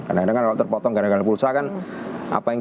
karena kadang kadang kalau terpotong gara gara pulsa kan